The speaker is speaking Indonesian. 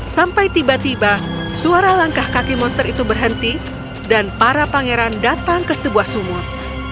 sampai tiba tiba suara langkah kaki monster itu berhenti dan para pangeran datang ke sebuah sumut